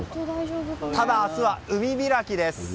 ただ、明日は海開きです。